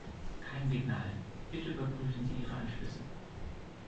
Kein Signal. Bitte überprüfen Sie Ihre Anschlüsse.